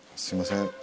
すいません。